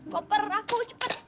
koper aku cepet